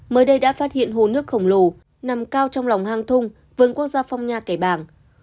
mới đây đã phát hiện hồ nước khổng lồ nằm cao trong lòng hang thùng vườn quốc gia phong nha cải bảng